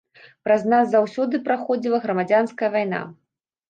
Праз нас заўсёды праходзіла грамадзянская вайна.